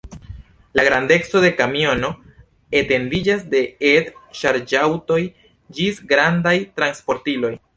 La grandeco de kamiono etendiĝas de et-ŝarĝaŭtoj ĝis grandaj transportiloj.